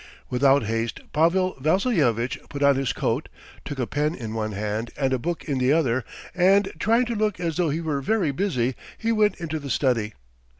Without haste Pavel Vassilyevitch put on his coat, took a pen in one hand, and a book in the other, and trying to look as though he were very busy he went into the study.